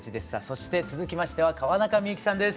そして続きましては川中美幸さんです。